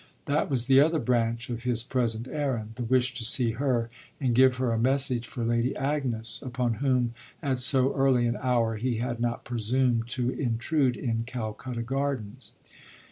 That was the other branch of his present errand the wish to see her and give her a message for Lady Agnes, upon whom, at so early an hour, he had not presumed to intrude in Calcutta Gardens.